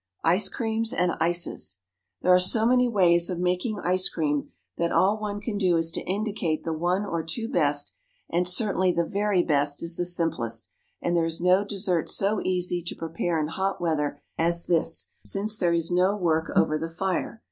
Ice Creams and Ices. There are so many ways of making ice cream, that all one can do is to indicate the one or two best, and certainly the very best is the simplest, and there is no dessert so easy to prepare in hot weather as this, since there is no work over the fire.